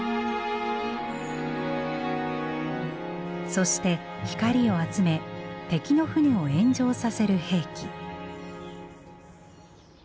そして光を集め敵の船を炎上させる兵器。